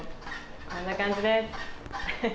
こんな感じです。